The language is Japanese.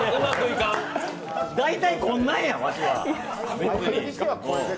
大体こんなんや、わしは。